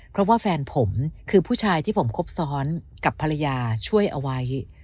เพราะว่าแฟนผมคือผู้ชายที่ผมครบซ้อนกับภรรยาช่วยเอาไว้